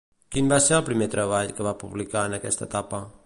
Quin va ser el primer treball que va publicar en aquesta etapa?